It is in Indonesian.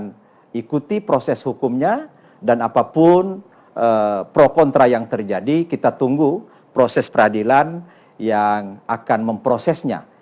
kita akan ikuti proses hukumnya dan apapun pro kontra yang terjadi kita tunggu proses peradilan yang akan memprosesnya